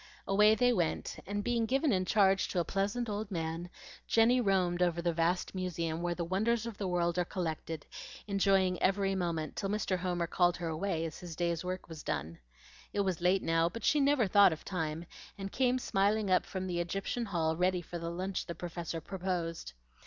Away they went; and being given in charge to a pleasant old man, Jenny roamed over the vast Museum where the wonders of the world are collected, enjoying every moment, till Mr. Homer called her away, as his day's work was done. It was late now, but she never thought of time, and came smiling up from the Egyptian Hall ready for the lunch the Professor proposed.